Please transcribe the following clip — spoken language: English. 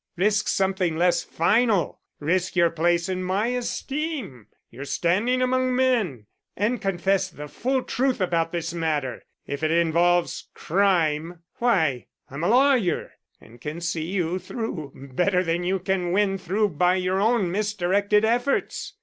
Risk something less final; risk your place in my esteem, your standing among men, and confess the full truth about this matter. If it involves crime why, I'm a lawyer and can see you through better than you can win through by your own misdirected efforts.